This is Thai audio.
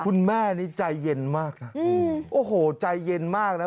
คุณแม่นี่ใจเย็นมากนะโอ้โหใจเย็นมากนะ